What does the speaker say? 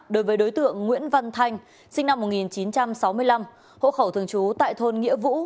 đối với đối tượng nguyễn văn thanh sinh năm một nghìn chín trăm sáu mươi năm hộ khẩu thường trú tại thôn nghĩa vũ